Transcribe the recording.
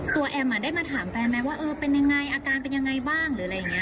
แอมได้มาถามแฟนไหมว่าเออเป็นยังไงอาการเป็นยังไงบ้างหรืออะไรอย่างนี้